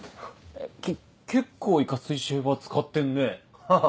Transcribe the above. け結構いかついシェーバー使ってんねハハっ。